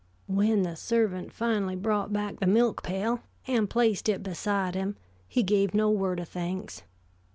When the servant finally brought back the milk pail and placed it beside him, he gave no word of thanks.